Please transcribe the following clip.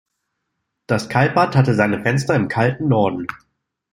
Das Kaltbad hatte seine Fenster im kalten Norden.